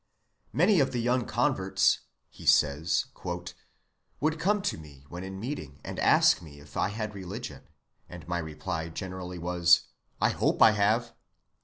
"Many of the young converts," he says, "would come to me when in meeting and ask me if I had religion, and my reply generally was, I hope I have.